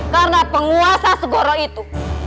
karena penguasa segoro itu